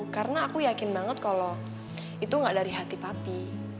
karena aku yakin banget kalo itu gak dari hati papi